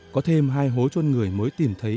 có thêm hai hố trôn người mới tìm thấy